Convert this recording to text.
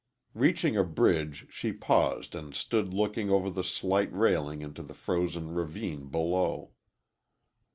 Reaching a bridge, she paused and stood looking over the slight railing into the frozen ravine below.